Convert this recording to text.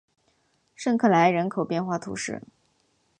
圣克莱人口变化图示